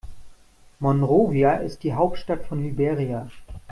Monrovia ist die Hauptstadt von Liberia.